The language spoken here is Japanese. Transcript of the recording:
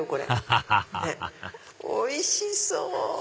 ハハハハハおいしそう！